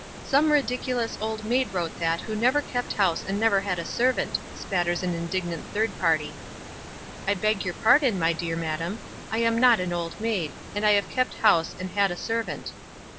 " Some ridiculous old maid wrote that who never kept house and never had a servant/' sputters an indignant third party. I beg your pardon, my dear madam, I am not an old maid, and I have kept house and had a servant.